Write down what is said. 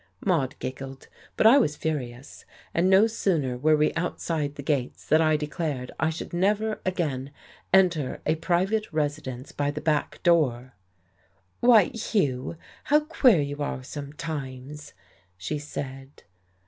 Maude giggled, but I was furious. And no sooner were we outside the gates than I declared I should never again enter a private residence by the back door. "Why, Hugh, how queer you are sometimes," she said.